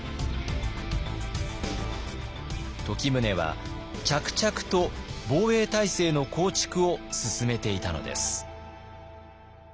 時宗は着々と防衛体制の構築を進めていたのです。